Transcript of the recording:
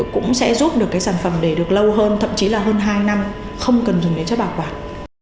cũng sẽ giúp được cái sản phẩm để được lâu hơn thậm chí là hơn hai năm không cần dùng để chất bảo quản